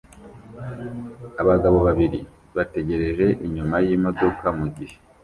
Abagabo babiri bategereje inyuma yimodoka mugihe